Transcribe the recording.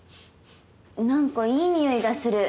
何かいい匂いがする。